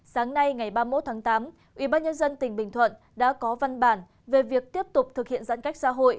sáng nay ngày ba mươi một tháng tám ubnd tỉnh bình thuận đã có văn bản về việc tiếp tục thực hiện giãn cách xã hội